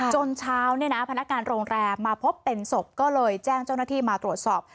เช้าเนี่ยนะพนักงานโรงแรมมาพบเป็นศพก็เลยแจ้งเจ้าหน้าที่มาตรวจสอบ